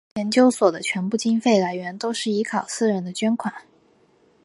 研究所的全部经费来源都是依靠私人的捐款。